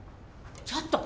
ちょっと！